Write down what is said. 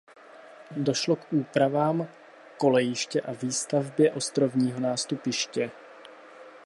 Došlo k úpravám kolejiště a výstavbě ostrovního nástupiště.